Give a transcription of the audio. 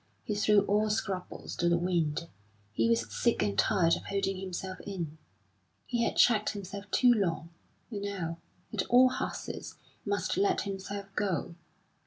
He threw all scruples to the wind. He was sick and tired of holding himself in; he had checked himself too long, and now, at all hazards, must let himself go.